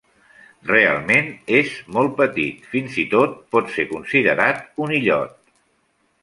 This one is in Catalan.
Realment és molt petit, fins i tot per ser considerat un illot.